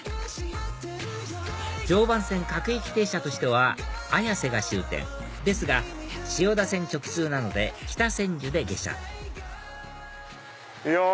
常磐線各駅停車としては綾瀬が終点ですが千代田線直通なので北千住で下車いや